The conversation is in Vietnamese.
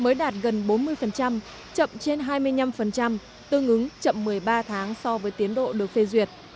mới đạt gần bốn mươi chậm trên hai mươi năm tương ứng chậm một mươi ba tháng so với tiến độ được phê duyệt